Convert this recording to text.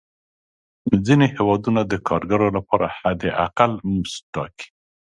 ځینې هېوادونه د کارګرو لپاره حد اقل مزد ټاکي.